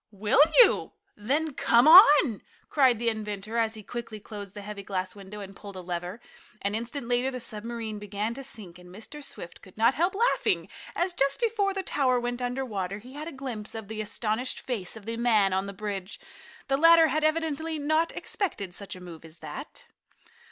"Will you? Then come on!" cried the inventor as he quickly closed the heavy glass window and pulled a lever. An instant later the submarine began to sink, and Mr. Swift could not help laughing as, just before the tower went under water, he had a glimpse of the astonished face of the man on the bridge. The latter had evidently not expected such a move as that.